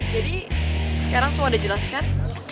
jadi sekarang semua udah jelas kan